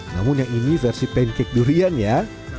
namun yang ini versi pancake durian ya